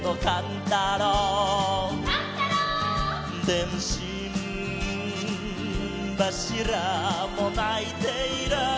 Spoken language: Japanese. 「でんしんばしらも泣いている」